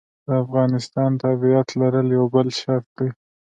د افغانستان تابعیت لرل یو بل شرط دی.